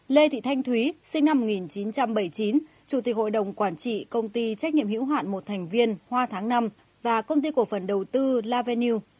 lê thị thanh thúy sinh năm một nghìn chín trăm bảy mươi chín chủ tịch hội đồng quản trị công ty trách nhiệm hữu hạn một thành viên hoa tháng năm và công ty cổ phần đầu tư la veniu